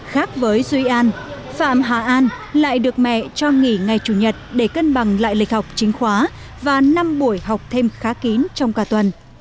khác với duy an phạm hà an lại được mẹ cho nghỉ ngày chủ nhật để cân bằng lại lịch học chính khóa và năm buổi học thêm khá kín trong cả tuần